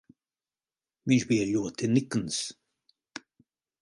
Viņš bija ļoti nikns.